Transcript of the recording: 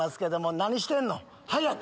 何してんの？早く！